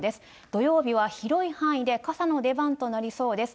土曜日は広い範囲で傘の出番となりそうです。